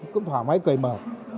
cũng thoải mái cười mở